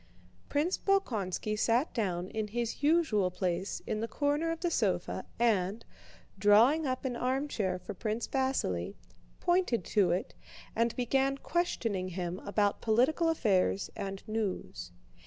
Prince Bolkónski sat down in his usual place in the corner of the sofa and, drawing up an armchair for Prince Vasíli, pointed to it and began questioning him about political affairs and news.